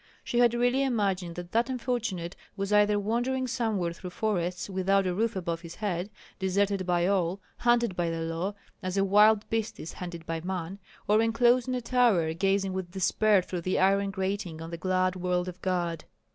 She had really imagined that that unfortunate was either wandering somewhere through forests, without a roof above his head, deserted by all, hunted by the law, as a wild beast is hunted by man, or enclosed in a tower, gazing with despair through the iron grating on the glad world of God.